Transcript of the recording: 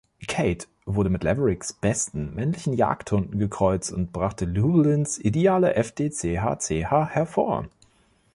Kate wurde mit Lavericks besten männlichen Jagdhunden gekreuzt und brachte Llewellins ideale Fd.Ch.Ch. hervor.